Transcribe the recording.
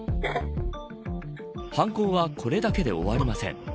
犯行はこれだけで終わりません。